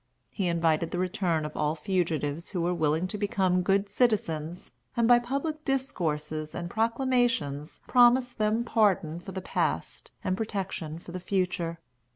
He invited the return of all fugitives who were willing to become good citizens, and by public discourses and proclamations promised them pardon for the past and protection for the future.